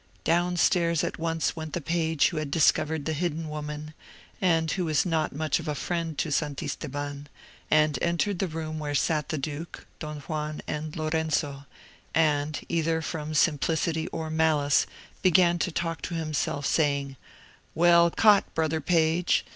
Down stairs at once went the page who had discovered the hidden woman, and who was not much of a friend to Santisteban, and entered the room where sat the duke, Don Juan, and Lorenzo, and, either from simplicity or malice, began to talk to himself, saying, "Well caught, brother page!